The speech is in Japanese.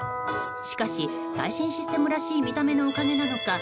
しかし最新システムらしい見た目のおかげなのか